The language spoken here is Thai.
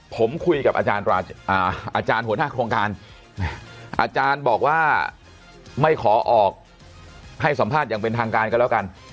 ผมคุยกับอาจารย์หัวหน้าโครงการอาจารย์บอกว่าไม่ขอออกให้สัมภาษณ์อย่างเป็นทางการกันแล้วกัน